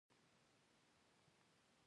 زمونږ مرغه د کتاب پاڼې چورلټوي.